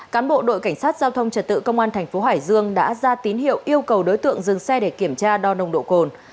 cán bộ đội cảnh sát giao thông trật tự công an thành phố hải dương đã ra tín hiệu yêu cầu đối tượng dừng xe để kiểm tra đo nồng độ cồn